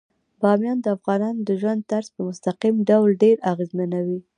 بامیان د افغانانو د ژوند طرز په مستقیم ډول ډیر اغېزمنوي.